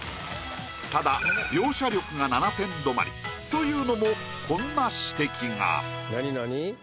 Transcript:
ただ描写力が７点止まり。というのもこんな指摘が。